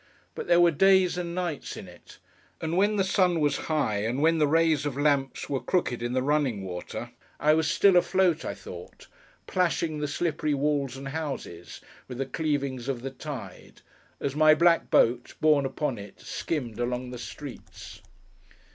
But there were days and nights in it; and when the sun was high, and when the rays of lamps were crooked in the running water, I was still afloat, I thought: plashing the slippery walls and houses with the cleavings of the tide, as my black boat, borne upon it, skimmed along the streets.